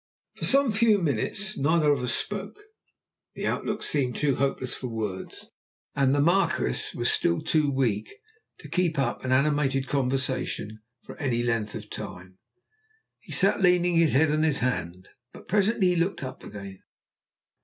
For some few minutes neither of us spoke. The outlook seemed too hopeless for words, and the Marquis was still too weak to keep up an animated conversation for any length of time. He sat leaning his head on his hand. But presently he looked up again.